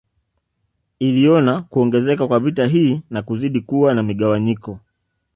Iliona kuongezeka kwa vita hii na kuzidi kuwa na migawanyiko